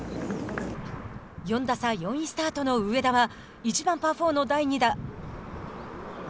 ４打差、４位スタートの上田は１番パー４の第２打。